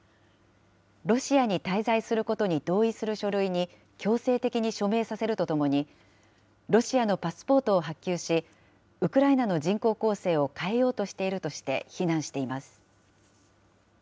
ロシアに滞在することに同意する書類に強制的に署名させるとともに、ロシアのパスポートを発給し、ウクライナの人口構成を変えようとしているとして非難しています。